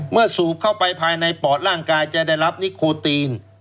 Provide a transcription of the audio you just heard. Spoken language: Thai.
สูบเข้าไปภายในปอดร่างกายจะได้รับนิโคตีน